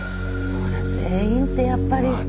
そんな全員ってやっぱり。